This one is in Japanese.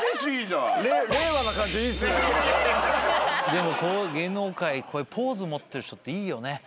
でも芸能界ポーズ持ってる人っていいよね。